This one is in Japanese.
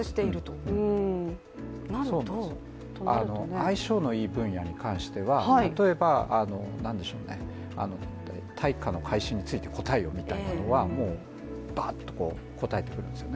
相性のいい分野に関しては例えば大化の改新について答えよみたいなのはばっと答えてくれます。